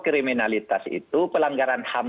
kriminalitas itu pelanggaran ham